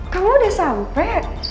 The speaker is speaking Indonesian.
kamu udah sampe